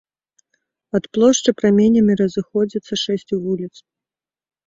Ад плошчы праменямі разыходзяцца шэсць вуліц.